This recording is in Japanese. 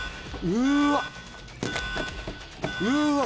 うわ！